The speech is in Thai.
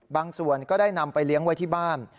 บางส่วนก็ได้นำไปเลี้ยงไว้ที่บ้าน